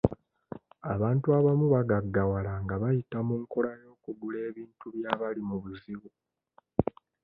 Abantu abamu bagaggawala nga bayita mu nkola y'okugula ebintu by'abali mu buzibu.